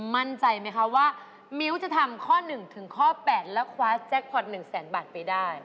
มั่นใจไหมคะว่ามิ้วจะทำข้อ๑ถึงข้อ๘และคว้าแจ็คพอร์ต๑แสนบาทไปได้